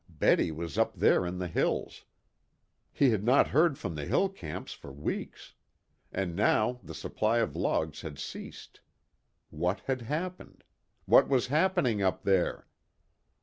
Betty was up there in the hills. He had not heard from the hill camps for weeks. And now the supply of logs had ceased. What had happened? What was happening up there?